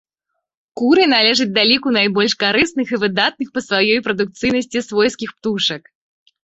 Куры належаць да ліку найбольш карысных і выдатных па сваёй прадукцыйнасці свойскіх птушак.